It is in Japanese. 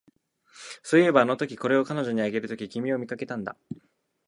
そういえば、あのとき、これを彼女にあげるとき、君を見かけたんだ